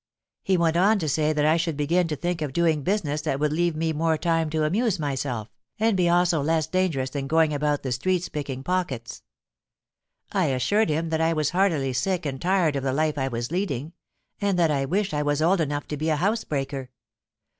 He went on to say that I should begin to think of doing business that would leave me more time to amuse myself, and be also less dangerous than going about the streets picking pockets. I assured him that I was heartily sick and tired of the life I was leading, and that I wished I was old enough to be a housebreaker.